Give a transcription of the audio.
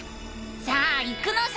さあ行くのさ！